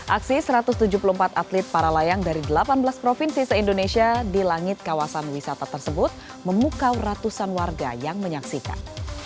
aksi satu ratus tujuh puluh empat atlet para layang dari delapan belas provinsi se indonesia di langit kawasan wisata tersebut memukau ratusan warga yang menyaksikan